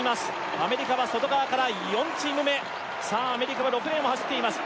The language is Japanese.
アメリカは外側から４チーム目さあアメリカは６レーンを走っています